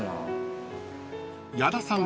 ［矢田さん